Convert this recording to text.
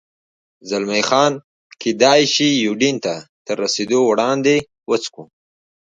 زلمی خان: کېدای شي یوډین ته تر رسېدو وړاندې، وڅښو.